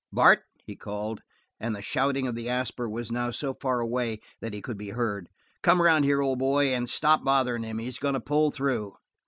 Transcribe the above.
"Bart!" he called, and the shouting of the Asper was now so far away that he could be heard. "Come round here, old boy, and stop botherin' him. He's goin' to pull through."